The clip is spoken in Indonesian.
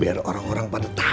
biar orang orang pada tahu